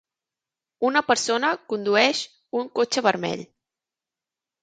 Una persona condueix un cotxe vermell.